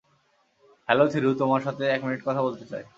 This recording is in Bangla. হ্যালো থিরু, তোমার সাথে এক মিনিট কথা বলতে চাই।